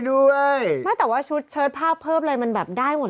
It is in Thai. ด้วยไม่แต่ว่าชุดเชิดภาพเพิ่มอะไรมันแบบได้หมด